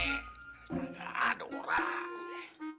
nggak ada orang